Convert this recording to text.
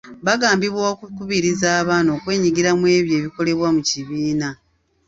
Baagambibwa okukubiriza abaana okwenyigira mu ebyo ebikolebwa mu kibiina.